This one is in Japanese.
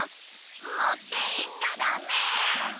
もっていっちゃだめ！